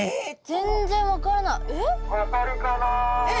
全然分からない。